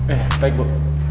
eh baik bu